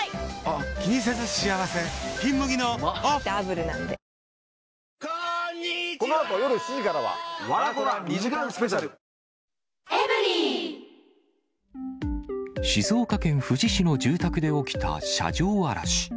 うまダブルなんで静岡県富士市の住宅で起きた車上荒らし。